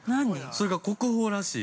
◆それが国宝らしい。